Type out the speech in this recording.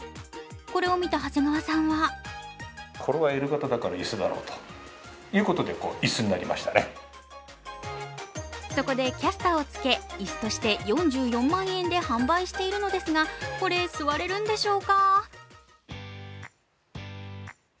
これを見た長谷川さんはそこで、キャスターをつけ椅子として４４万円で販売しているのですがこれ、座れるんでしょうか？